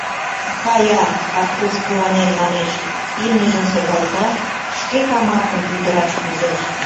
— Кая-а, — Карпуш куанен манеш, имньыжым шогалта, шке тамакым пӱтыраш пижеш.